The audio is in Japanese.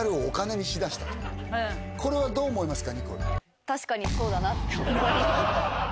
これはどう思いますか？